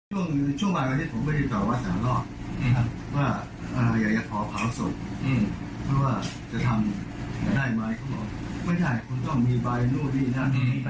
ช่วงช่วงมากว่าที่ผมไม่ได้ต่อวัดสหรอบอืมครับ